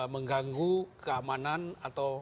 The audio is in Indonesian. mengganggu keamanan atau